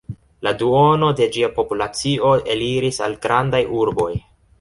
La duono de ĝia populacio eliris al grandaj urboj.